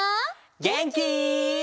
げんき？